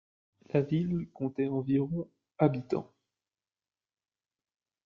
La ville comptait environ habitants.